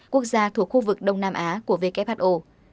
quốc gia thuộc khu vực đông nam á của who